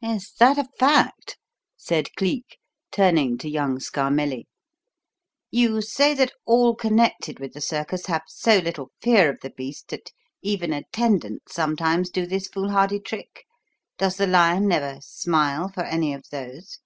"Is that a fact?" said Cleek, turning to young Scarmelli. "You say that all connected with the circus have so little fear of the beast that even attendants sometimes do this foolhardy trick. Does the lion never 'smile' for any of those?"